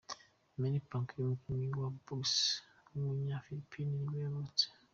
Manny Pacquiao, umukinnyi wa Box w’umunya-Philippines nibwo yavutse.